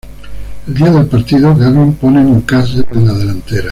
El día del partido, Gavin pone Newcastle en la delantera.